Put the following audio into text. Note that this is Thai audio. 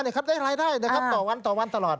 ได้รายได้ต่อวันต่อวันตลอด